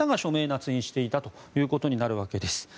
・なつ印していたということになるわけです。